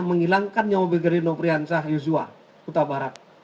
menghilangkan nyawa brigadir noprian syah yusyok tabarat